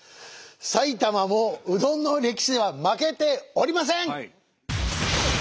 埼玉もうどんの歴史では負けておりません！